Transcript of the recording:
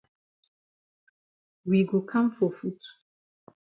We go kam for foot.